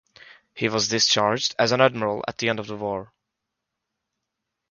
He was discharged as an admiral at the end of the war.